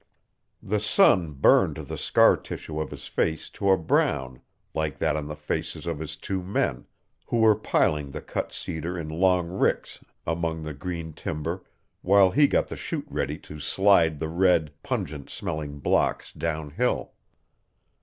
The sun burned the scar tissue of his face to a brown like that on the faces of his two men, who were piling the cut cedar in long ricks among the green timber while he got the chute ready to slide the red, pungent smelling blocks downhill.